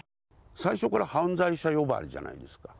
最初から犯罪者呼ばわりじゃないですか。